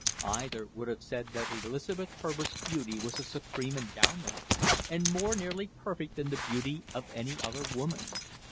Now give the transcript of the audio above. Either would have said that Elizabeth Herbert's beauty was a supreme endowment, and more nearly perfect than the beauty of any other woman.